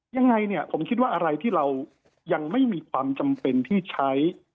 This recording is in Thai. ยังไงเนี่ยผมคิดว่าอะไรที่เรายังไม่มีความจำเป็นที่ใช้